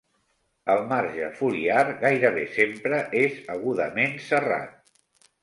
El marge foliar gairebé sempre és agudament serrat.